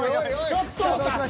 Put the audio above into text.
ちょっと！